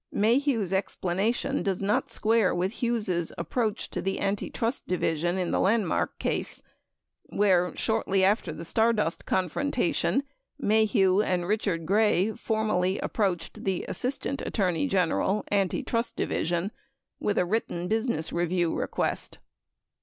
21 Maheu's explanation does not square with Hughes' approach to the Antitrust Division in the Landmark case, where, shortly after the Stardust confrontation, Maheu and Richard Gray formally approached the Assistant At torney General, Antitrust Division, with a written business review request.